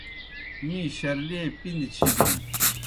می شرلِیئے پِندیْ چِھدِن۔